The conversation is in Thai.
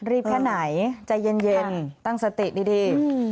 แค่ไหนใจเย็นตั้งสติดี